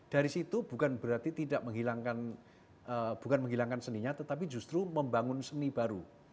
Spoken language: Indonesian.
dari situ bukan berarti tidak menghilangkan seninya tetapi justru membangun seni baru